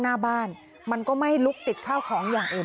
หน้าบ้านมันก็ไม่ลุกติดข้าวของอย่างอื่น